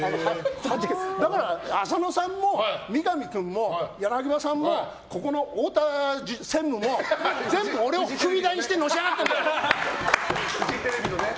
だから、浅野さんも三上君も柳葉さんも、ここの太田専務も全部俺を踏み台にしてのし上がってるんだよ！